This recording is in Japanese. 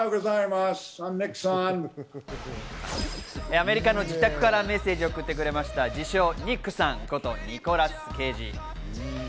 アメリカの自宅からメッセージを送ってくれた自称ニックさんことニコラス・ケイジ。